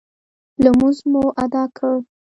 لمونځ مو اداء کړ.